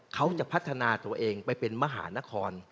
เขาจะพัฒนาตัวเองไปเป็นมหานคร